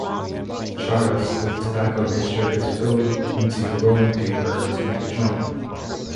Charas with tobacco mixture is filled into the rolling paper to make a joint.